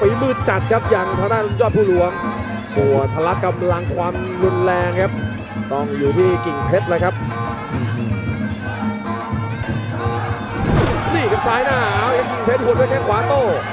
อันนี้กับสายหน้าแล้วกับกิ่งเพชรหัวด้วยแค่ขวาโต้